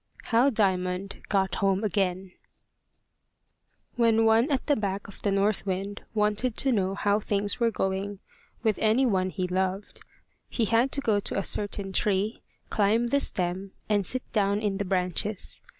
HOW DIAMOND GOT HOME AGAIN WHEN one at the back of the north wind wanted to know how things were going with any one he loved, he had to go to a certain tree, climb the stem, and sit down in the branches.